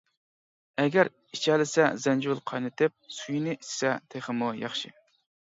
ئەگەر ئىچەلىسە زەنجىۋىل قاينىتىپ، سۈيىنى ئىچسە تېخىمۇ ياخشى.